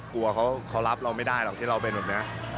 กลัวเขารับเราไม่ได้หรอกที่เราเป็นแบบนี้